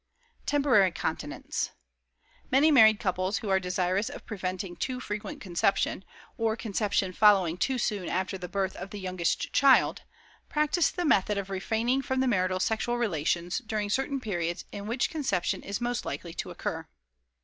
TEMPORARY CONTINENCE. Many married couples who are desirous of preventing too frequent conception, or conception following too soon after the birth of the youngest child, practice the method of refraining from the marital sexual relations during certain periods in which conception is most likely to occur.